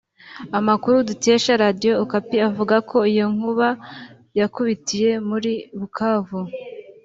Amakuru dukesha Radiyo Okapi avuga ko iyo nkuba yakubitiye muri Bukavu